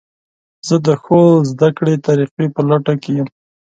زه د ښو زده کړې طریقو په لټه کې یم.